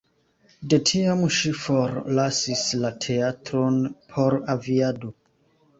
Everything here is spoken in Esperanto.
De tiam ŝi forlasis la teatron por aviado.